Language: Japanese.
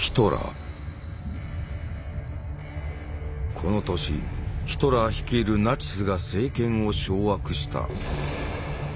この年ヒトラー率いるナチスが政権を掌握した。